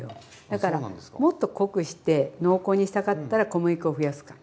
だからもっと濃くして濃厚にしたかったら小麦粉を増やすか。